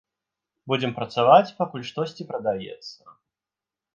Будзем працаваць, пакуль штосьці прадаецца.